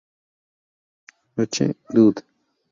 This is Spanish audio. H. Dodd.